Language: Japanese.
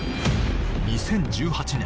２０１８年